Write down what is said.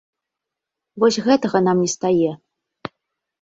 Вось гэтага нам не стае.